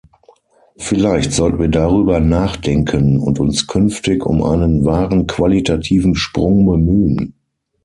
Vielleicht sollten wir darüber nachdenken und uns künftig um einen wahren qualitativen Sprung bemühen.